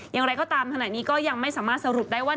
อย่างไรก็ตามขณะนี้ก็ยังไม่สามารถสรุปได้ว่า